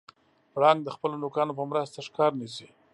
پړانګ د خپلو نوکانو په مرسته ښکار نیسي.